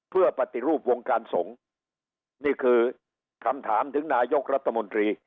เพื่อปฏิรูปวงการสงฆ์นี่คือคำถามถึงนายกรัฐมนตรี